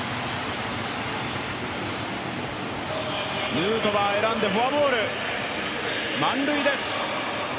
ヌートバー選んでフォアボール、満塁です。